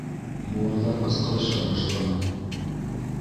Малайҙар ҡысҡырыша башланы: